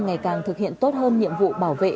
ngày càng thực hiện tốt hơn nhiệm vụ bảo vệ